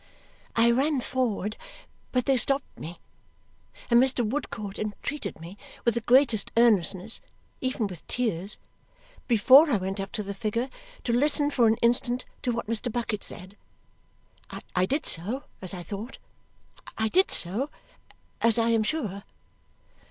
I ran forward, but they stopped me, and Mr. Woodcourt entreated me with the greatest earnestness, even with tears, before I went up to the figure to listen for an instant to what Mr. Bucket said. I did so, as I thought. I did so, as I am sure.